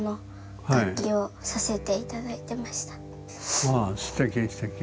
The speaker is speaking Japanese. あのああすてきすてき。